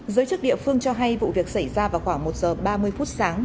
giới chức địa phương cho hay vụ việc xảy ra vào khoảng một giờ ba mươi phút sáng